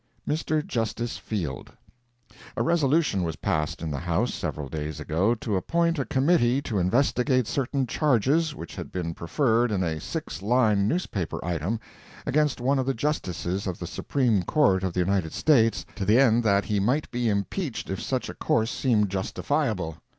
MR. JUSTICE FIELD A resolution was passed in the House, several days ago, to appoint a Committee to investigate certain charges which had been preferred in a six line newspaper item, against one of the Justices of the Supreme Court of the United States to the end that he might be impeached if such a course seemed justifiable.